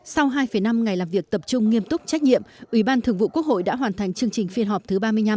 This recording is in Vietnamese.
sau hai năm ngày làm việc tập trung nghiêm túc trách nhiệm ủy ban thường vụ quốc hội đã hoàn thành chương trình phiên họp thứ ba mươi năm